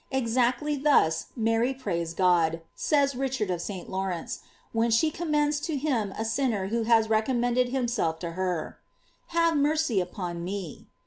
Exactly thus Mary prays God, says Richard of St. Laurence, when she commends to him a sinner who has recommended himself to her^ "Have mercy upon me."